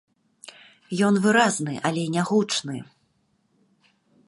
Ён выразны, але нягучны.